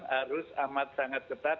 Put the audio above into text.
harus amat sangat ketat